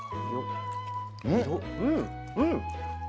うんうん！